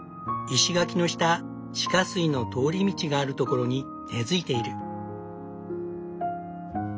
石垣の下地下水の通り道があるところに根づいている。